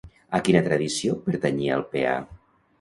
A quina tradició pertanyia el Peà?